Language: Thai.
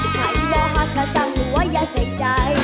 ใครบอกหากช่างหรือว่าอย่าเส้นใจ